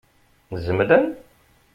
Zemlen?